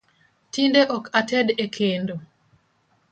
Tinde ok ated e kendo